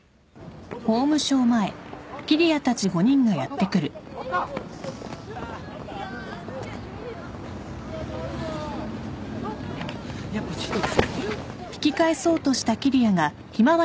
やっぱやっぱちょっと。